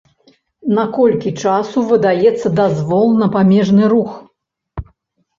На колькі часу выдаецца дазвол на памежны рух?